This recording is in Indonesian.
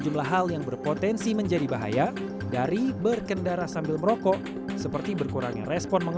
cuma rokoknya kan akan ketinggalan